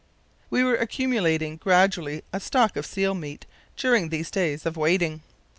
We were accumulating gradually a stock of seal meat during these days of waiting.